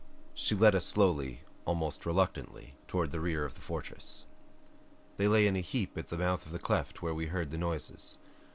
She led us slowly, almost reluctantly toward the rear of the fortress. "They lay in a little heap at the mouth of the cleft where we heard the noises.